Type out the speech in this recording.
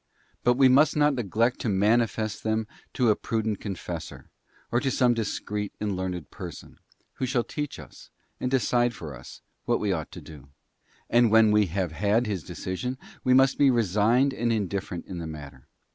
But we must not neglect to manifest them to a prudent con fessor, or to some discreet and learned person, who shall teach us, and decide for us, what we ought to do; and when we have had his decision, we must be resigned and indif ferent in the matter.